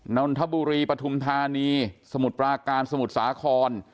นรฑบุรีปฐุมธาณีสมุดปลาการสมุดสาคอน